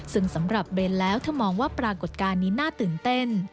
ซึ่งสำหรับเบรนด์แล้วเธอมองว่าปรากฏการณ์นี้น่าตื่นเต้น